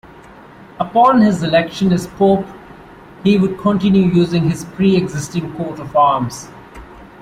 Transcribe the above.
Upon his election as pope, he would continue using his pre-existing coat of arms.